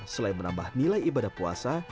selain menambah nilai ibadah puasa